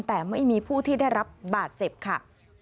แต่ไม่มีผู้ที่ได้รับบาดเจ็บค่ะ